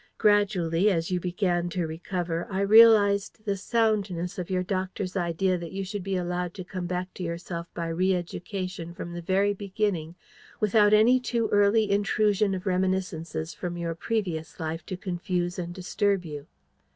Gradually, as you began to recover, I realised the soundness of your doctor's idea that you should be allowed to come back to yourself by re education from the very beginning, without any too early intrusion of reminiscences from your previous life to confuse and disturb you.